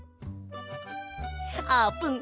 あーぷん